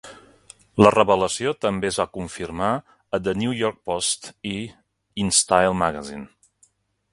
La revelació també es va confirmar a The New York Post i In Style Magazine.